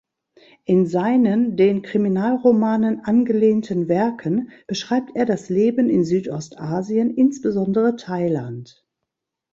In seinen den Kriminalromanen angelehnten Werken beschreibt er das Leben in Südostasien, insbesondere Thailand.